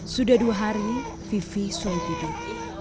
sudah dua hari ivi sulit tidur